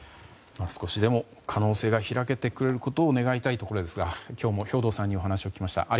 少しでも可能性が開けてくれることを願いたいところですが今日も兵頭さんにお話を聞きました。